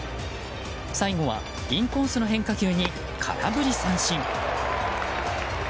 最後はインコースの変化球に空振り三振。